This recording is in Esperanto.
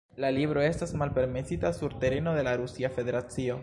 La libro estas malpermesita sur tereno de la Rusia Federacio.